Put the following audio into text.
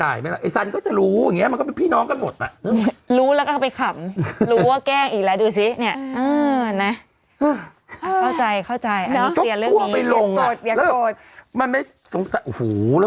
ไหมเข้าใจเข้าใจเรียนเรื่องนี้ก็ลงไปลงอะ